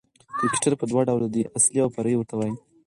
کرکټر په دوه ډوله دئ، اصلي اوفرعي ورته وايي.